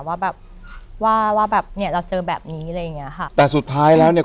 ว่าแบบว่าว่าว่าแบบเนี้ยเราเจอแบบนี้อะไรอย่างเงี้ยค่ะแต่สุดท้ายแล้วเนี้ย